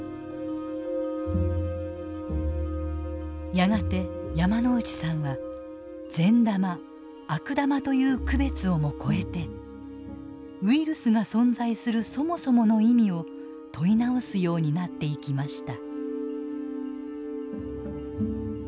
やがて山内さんは善玉・悪玉という区別をも超えてウイルスが存在するそもそもの意味を問い直すようになっていきました。